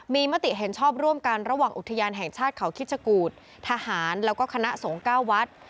มีมติเห็นชอบร่วมกันระหว่างอุทยานแห่งชาติเขาคิดชะกูธทหารแล้วก็คณะสงฆ์๙วัด